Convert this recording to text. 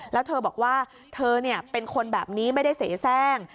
แล้วเธอบอกว่าเธอเป็นคนแบบนี้ไม่ได้เสียแทร่ง